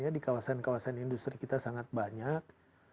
di kawasan kawasan industri kita sangat banyak